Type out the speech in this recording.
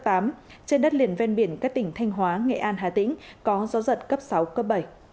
trên đất liền ven biển các tỉnh thanh hóa nghệ an hà tĩnh có gió giật cấp sáu cấp bảy